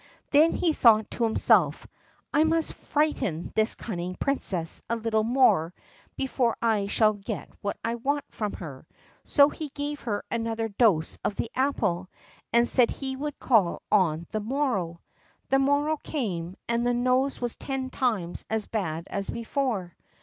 Then he thought to himself, "I must frighten this cunning princess a little more before I shall get what I want from her"; so he gave her another dose of the apple, and said he would call on the morrow. The morrow came, and the nose was ten times as bad as before.